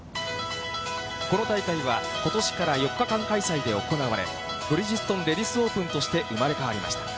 この大会は、ことしから４日間開催で行われ、ブリヂストンレディスオープンとして生まれ変わりました。